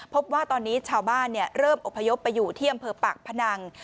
พบว่าตอนนี้ชาวบ้านเริ่มอพยพไปอยู่ที่อำเภอปากพนัง